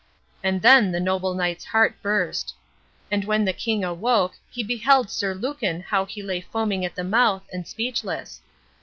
And then the noble knight's heart burst. And when the king awoke he beheld Sir Lucan how he lay foaming at the mouth, and speechless.